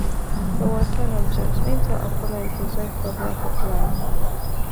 He was son of James Minto, a farmer, and his wife Barbara Copland.